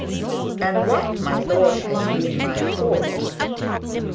'And what, my lord, has been my fault?'